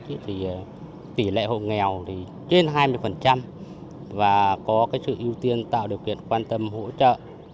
thì tỷ lệ hộ nghèo thì trên hai mươi và có cái sự ưu tiên tạo điều kiện quan tâm hỗ trợ